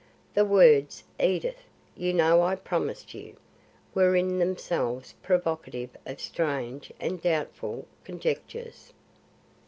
The words "Edith, you know I promised you " were in themselves provocative of strange and doubtful conjectures.